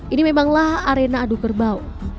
ini memanglah arena adu kerbau